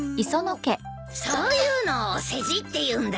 そういうのをお世辞っていうんだよ。